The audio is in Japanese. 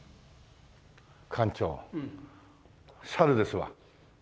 館長申ですわ。